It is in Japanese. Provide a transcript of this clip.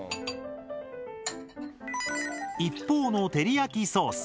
一方の照り焼きソース。